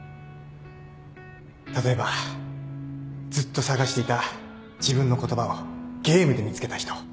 例えばずっと探していた自分の言葉をゲームで見つけた人。